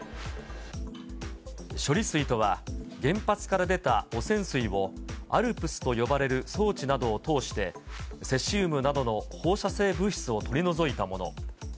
処理水とは、原発から出た汚染水をＡＬＰＳと呼ばれる装置などを通して、セシウムなどの放射性物質を取り除いたもの。